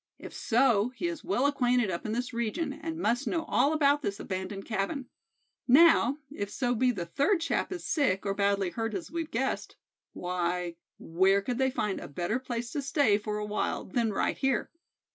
If so, he is well acquainted up in this region, and must know all about this abandoned cabin. Now, if so be the third chap is sick, or badly hurt, as we've guessed, why, where could they find a better place to stay for a while than right here?"